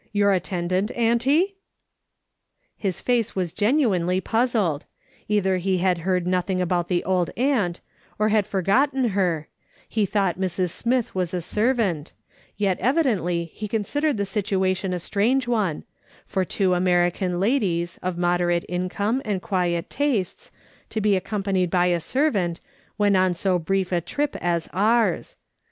Your attendant, auntie ?" His face was genuinely puzzled ; either he had heard nothing about the old aunt, or had forgotten her , he thought Mrs. Smith was a servant, yet evidently he considered the situation a strange one, for two American ladies, of moderate income and quiet tastes, to be accompanied by a servant, ay hen g2 S4 M/^S. SOLOMO.\ SMITH LOOk'ING ON. on so brief a trip as ours